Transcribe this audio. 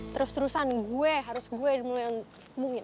terus terusan gue harus gue yang mulai ngubungin